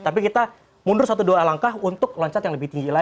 tapi kita mundur satu dua alangkah untuk loncat yang lebih tinggi lagi